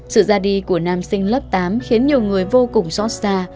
sự ra đi của nam sinh lớp tám khiến nhiều người vô cùng xót xa